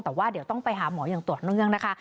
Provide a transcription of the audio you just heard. แต่ว่าเดี๋ยวต้องไปหาหมออย่างต่อเนื่องนะคะ